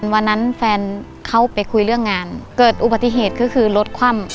วันนั้นแฟนเขาไปคุยเรื่องงานเกิดอุบัติเหตุก็คือรถคว่ำ